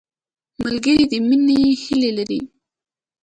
ملګری د مینې هیلې لري